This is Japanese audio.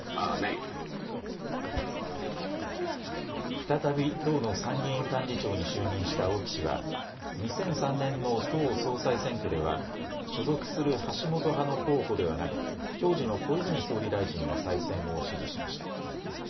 再び党の参議院幹事長に就任した青木氏は２００３年の党総裁選挙では所属する橋本派の候補ではなく当時の小泉総理大臣の再選を支持しました。